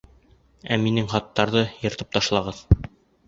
Ә минең хаттарҙы... йыртып ташлағыҙ.